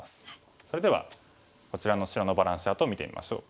それではこちらの白のバランスチャートを見てみましょう。